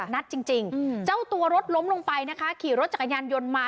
นัดจริงเจ้าตัวรถล้มลงไปนะคะขี่รถจักรยานยนต์มา